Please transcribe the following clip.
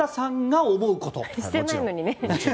してないのにね。